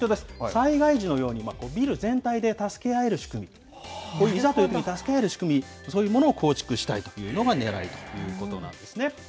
災害時のようにビル全体で助け合える仕組み、こういういざというときに助け合える仕組み、そういうものを構築したいというのがねらいということなんですね。